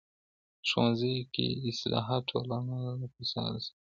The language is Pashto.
په ښوونځیو کې اصلاحات ټولنه له فساده ساتي.